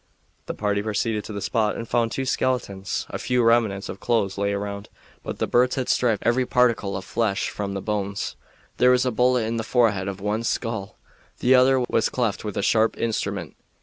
The party proceeded to the spot and found two skeletons. A few remnants of clothes lay around, but the birds had stripped every particle of flesh from the bones. There was a bullet in the forehead of one skull; the other was cleft with a sharp instrument.